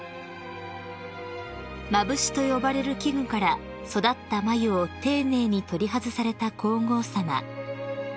［蔟と呼ばれる器具から育った繭を丁寧に取り外された皇后さま］